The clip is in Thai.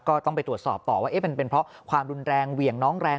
ก็ต้องไปตรวจสอบต่อว่ามันเป็นเพราะความรุนแรงเหวี่ยงน้องแรง